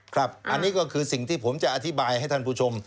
ครับอันนี้ก็คือสิ่งที่ผมจะอธิบายให้ท่านผู้ชม